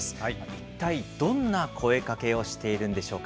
一体どんな声かけをしているんでしょうか。